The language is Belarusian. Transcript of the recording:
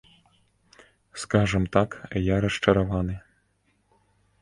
Скажам так, я расчараваны.